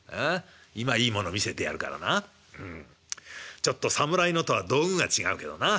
ちょっと侍のとは道具が違うけどな。